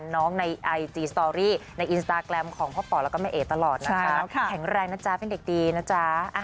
ในไอจีสตอรี่ในอินสตาแกรมของพ่อป่อแล้วก็แม่เอ๋ตลอดนะคะแข็งแรงนะจ๊ะเป็นเด็กดีนะจ๊ะ